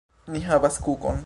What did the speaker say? Ni havas kukon!